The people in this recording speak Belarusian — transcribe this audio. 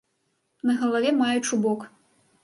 На галаве мае чубок.